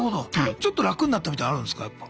ちょっと楽になったみたいのあるんすかやっぱ。